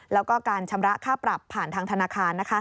แล้วก็การชำระค่าปรับผ่านทางธนาคาร